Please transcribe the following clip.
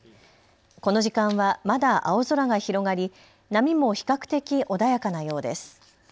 この時間はまだ青空が広がり波も比較的、穏やかなようです。